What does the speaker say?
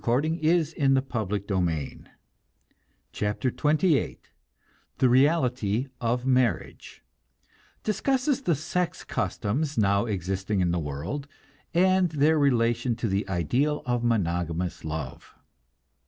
PART THREE THE BOOK OF LOVE CHAPTER XXVIII THE REALITY OF MARRIAGE (Discusses the sex customs now existing in the world, and their relation to the ideal of monogamous love.)